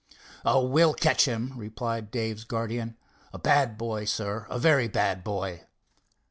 "Oh, we'll catch him," replied Dave's guardian. "A bad boy, sir, a very bad boy."